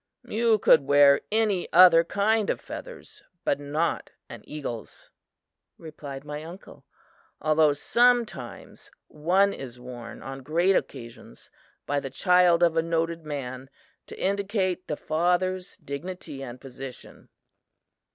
"You could wear any other kind of feathers, but not an eagle's," replied my uncle, "although sometimes one is worn on great occasions by the child of a noted man, to indicate the father's dignity and position."